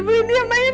beli dia main